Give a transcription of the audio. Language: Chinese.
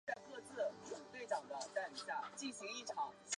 通讷人口变化图示